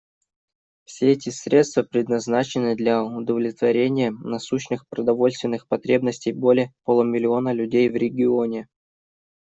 Все эти средства предназначены для удовлетворения насущных продовольственных потребностей более полумиллиона людей в регионе.